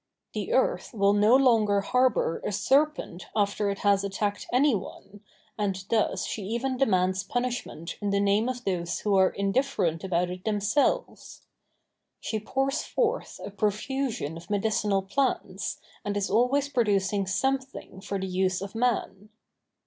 The earth will no longer harbor a serpent after it has attacked any one, and thus she even demands punishment in the name of those who are indifferent about it themselves. She pours forth a profusion of medicinal plants, and is always producing something for the use of man.